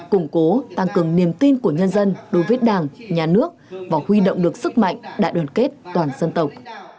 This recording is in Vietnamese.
củng cố tăng cường niềm tin của nhân dân đối với đảng nhà nước và huy động được sức mạnh đại đoàn kết toàn dân tộc